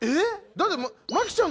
だって。